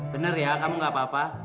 benar ya kamu gak apa apa